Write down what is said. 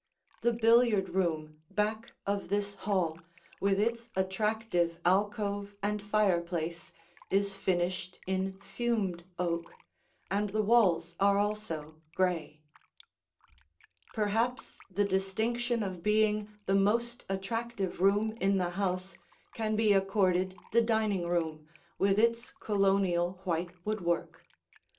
The billiard room back of this hall, with its attractive alcove and fireplace, is finished in fumed oak, and the walls are also gray. [Illustration: Two Views of the Dining Room] Perhaps the distinction of being the most attractive room in the house can be accorded the dining room with its Colonial white woodwork.